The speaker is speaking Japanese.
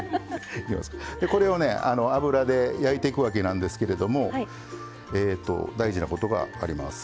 これをね油で焼いていくわけなんですけれども大事なことがあります。